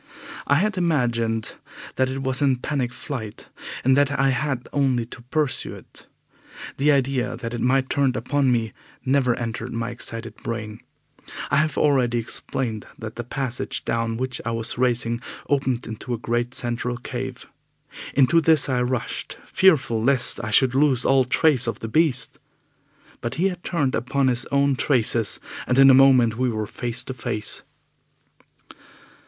I had imagined that it was in panic flight, and that I had only to pursue it. The idea that it might turn upon me never entered my excited brain. I have already explained that the passage down which I was racing opened into a great central cave. Into this I rushed, fearful lest I should lose all trace of the beast. But he had turned upon his own traces, and in a moment we were face to face.